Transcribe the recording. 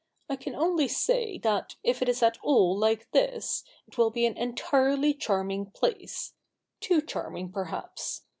I can only say that, if it is at all like this, it will be an entirely charming place — too charming, perhaps.